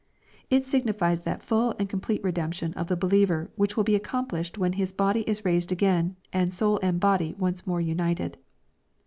It signifies that full and complete redemption of the believer which will be accomplished when His body is raised again, and soul and body once more united.